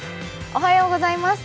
おはようございます。